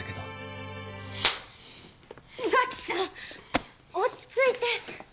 穿地さん落ち着いて！